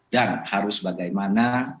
dan harus bagaimana